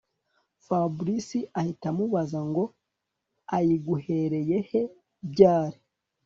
Fabric ahita amubaza ngo ayiguhereye he byari